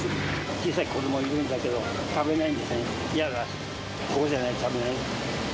小さい子ども、いるんだけどね、食べないんですよね、嫌だって。